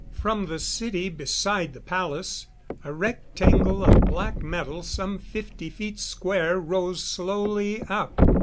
From the city beside the palace, a rectangle of black metal some fifty feet square, rose slowly up.